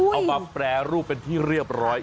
เอามาแปรรูปเป็นที่เรียบร้อย